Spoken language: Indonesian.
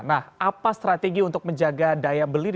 nah apa strategi untuk menjaga daya beli